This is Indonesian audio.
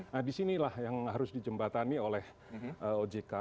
nah disinilah yang harus dijembatani oleh ojk